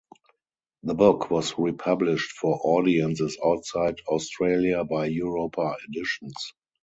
The book was republished for audiences outside Australia by Europa Editions.